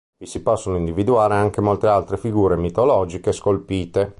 Vi si possono individuare anche molte altre figure mitologiche scolpite.